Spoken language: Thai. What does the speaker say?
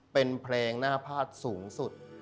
เป็นเพลงหน้าพาดสูงสุด